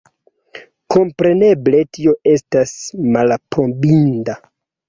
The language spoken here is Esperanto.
Kompreneble tio estas malaprobinda.